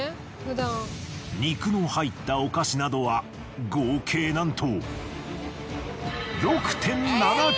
肉の入ったお菓子などは合計なんと。